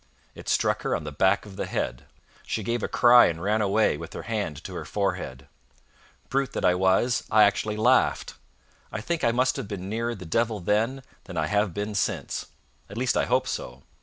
It struck her on the back of the head. She gave a cry and ran away, with her hand to her forehead. Brute that I was, I actually laughed. I think I must have been nearer the devil then than I have been since. At least I hope so.